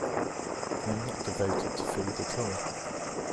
I am not devoted to food at all.